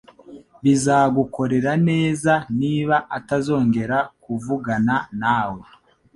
Bizagukorera neza niba atazongera kuvugana nawe.